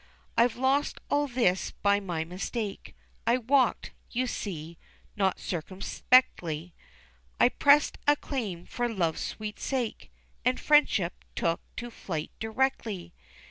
I've lost all this by my mistake, I walked, you see, not circumspectly, I pressed a claim for love's sweet sake, And friendship took to flight directly.